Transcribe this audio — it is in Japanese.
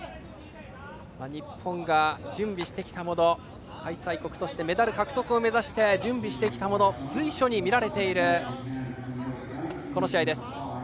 日本が準備してきたもの開催国としてメダル獲得を目指して準備してきたものが随所に見られているこの試合です。